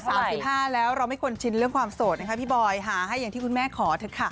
สามสิบห้าแล้วเราไม่ควรชินเรื่องความโสดนะคะพี่บอยหาให้อย่างที่คุณแม่ขอเถอะค่ะ